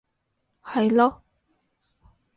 係囉